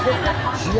違う！